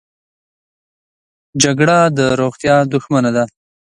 جګړه د روغتیا دښمنه ده